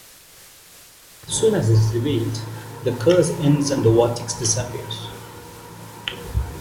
As soon as this is revealed, the curse ends and the vortex disappears.